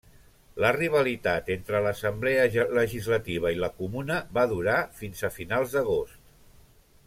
La rivalitat entre l'Assemblea Legislativa i la Comuna va durar fins a finals d'agost.